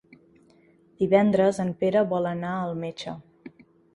Divendres en Pere vol anar al metge.